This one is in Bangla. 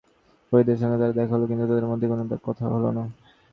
ফরিদার সঙ্গে তাঁর দেখা হলো, কিন্তু তাঁদের মধ্যে কোনো কথা হলো না।